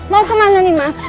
mau kemana nih mas